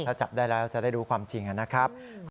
ถ้าจับได้แล้วจะได้รู้ความจริงนะครับ